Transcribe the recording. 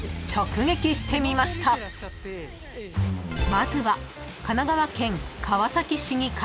［まずは神奈川県川崎市議会］